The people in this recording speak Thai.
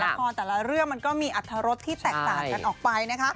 แต่ละเรื่องมันก็มีอัตรรสที่แตกต่างกันออกไปนะคะ